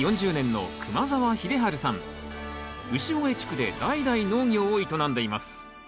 潮江地区で代々農業を営んでいます